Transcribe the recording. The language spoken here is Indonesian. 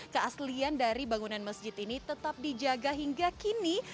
keaslian dari bangunan masjid ini tetap dijaga hingga kini